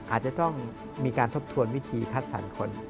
อาจจะต้องมีการทบทวนวิธีคัดสรรคน